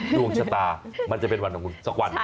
ดวงชะตามันจะเป็นวันของคุณสักวันหนึ่ง